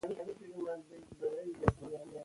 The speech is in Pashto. که رابر وي نو غلطي نه پاتې کیږي.